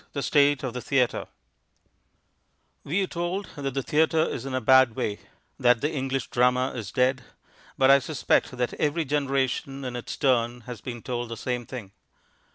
The State of the Theatre We are told that the theatre is in a bad way, that the English Drama is dead, but I suspect that every generation in its turn has been told the same thing.